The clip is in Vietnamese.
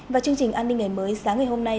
và chương trình an ninh ngày mới sáng ngày hôm nay